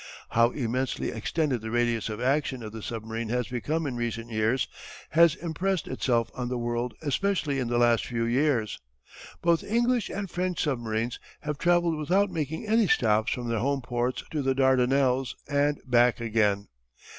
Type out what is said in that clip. How immensely extended the radius of action of the submarine has become in recent years, has impressed itself on the world especially in the last few years. Both English and French submarines have travelled without making any stops from their home ports to the Dardanelles and back again.